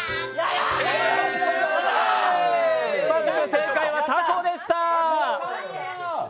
正解はタコでした！